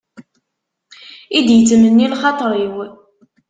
I d-yettmenni lxaṭer-iw.